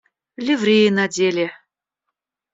Ливреи надели.